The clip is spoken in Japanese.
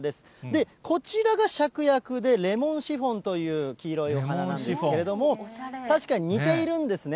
で、こちらがしゃくやくでレモンシフォンという黄色いお花なんですけれども、確かに似ているんですね。